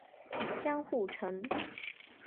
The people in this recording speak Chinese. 江户城。